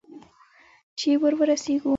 چې ور ورسېږو؟